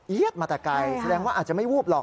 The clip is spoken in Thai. มาแต่ไกลแสดงว่าอาจจะไม่วูบหรอก